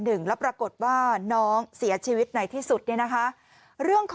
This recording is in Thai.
หนึ่งแล้วปรากฏว่าน้องเสียชีวิตในที่สุดเนี่ยนะคะเรื่องของ